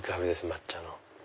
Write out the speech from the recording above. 抹茶の。